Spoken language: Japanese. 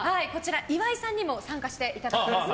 岩井さんにも参加していただきます。